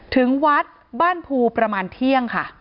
ถึงวัดบ้านภูประมาณเที่ยงค่ะ